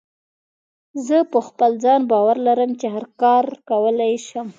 زه په خپل ځان باور لرم چې هر کار کولی شم.